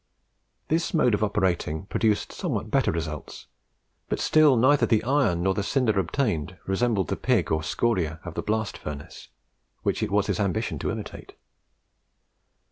This mode of operating produced somewhat better results, but still neither the iron nor the cinder obtained resembled the pig or scoria of the blast furnace, which it was his ambition to imitate.